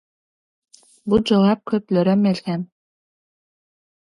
Bu jogap köplere melhem.